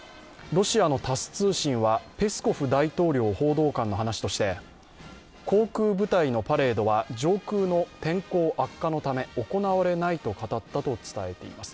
ロシアのタス通信はペスコフ大統領報道官の話として、航空部隊のパレードは上空の天候悪化のため、行われないと語ったと伝えています。